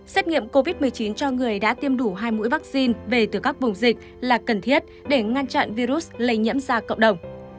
xét nghiệm covid một mươi chín cho người đã tiêm đủ hai mũi vaccine về từ các vùng dịch là cần thiết để ngăn chặn virus lây nhiễm ra cộng đồng